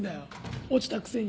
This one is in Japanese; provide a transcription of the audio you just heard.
落ちたくせに。